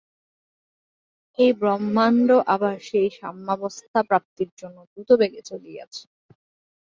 এই ব্রহ্মাণ্ড আবার সেই সাম্যাবস্থা-প্রাপ্তির জন্য দ্রুতবেগে চলিয়াছে।